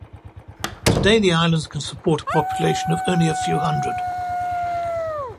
Today, the islands can support a population of only a few hundred.